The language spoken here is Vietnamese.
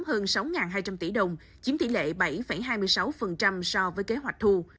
tổng số doanh nghiệp chậm đóng hơn sáu hai trăm linh tỷ đồng chiếm tỷ lệ bảy hai mươi sáu so với kế hoạch thu